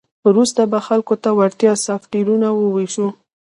وروسته به خلکو ته وړیا سافټویرونه وویشو